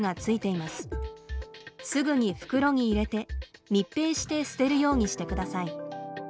すぐに袋に入れて密閉して捨てるようにしてください。